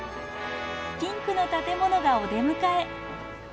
ピンクの建物がお出迎え。